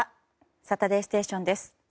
「サタデーステーション」です。